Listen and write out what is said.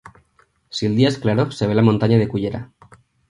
Si el día es claro, se ve la montaña de Cullera